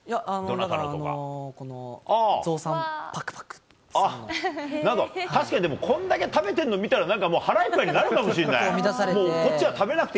なんか確かに、こんだけ食べてるの見たら、なんかもう腹いっぱいになるかもしれない。